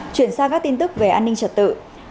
chuyển sang các tin tức về an ninh trật tự